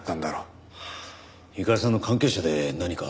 友加里さんの関係者で何か？